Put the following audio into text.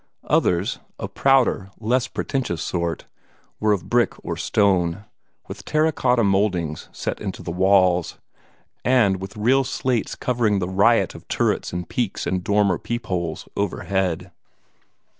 Others a prouder, less pretentious sort were of brick or stone, with terra cotta mouldings set into the walls, and with real slates covering the riot of turrets and peaks and dormer peepholes overhead.